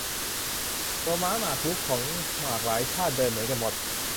ตัวม้าหมากรุกของหมากหลายชาติ เดินเหมือนกันหมด